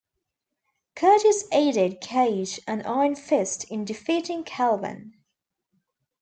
Curtis aided Cage and Iron Fist in defeating Calvin.